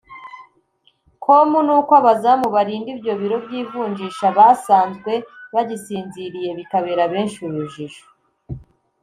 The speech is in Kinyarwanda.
com ni uko abazamu barinda ibyo biro by'ivunjisha basanzwe bagisinziriye bikabera benshi urujijo